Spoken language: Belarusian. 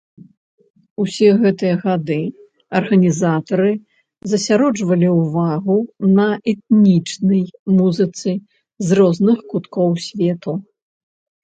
Усе гэтыя гады арганізатары засяроджвалі ўвагу на этнічнай музыцы з розных куткоў свету.